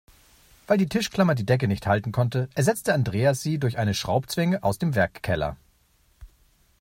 Weil die Tischklammer die Decke nicht halten konnte, ersetzte Andreas sie durch eine Schraubzwinge aus dem Werkkeller.